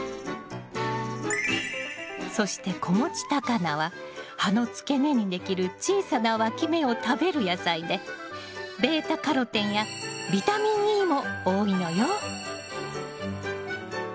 そして子持ちタカナは葉の付け根にできる小さなわき芽を食べる野菜でβ−カロテンやビタミンＥも多いのよ。